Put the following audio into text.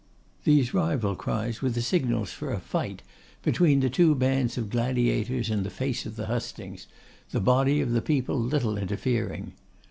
These rival cries were the signals for a fight between the two bands of gladiators in the face of the hustings, the body of the people little interfering.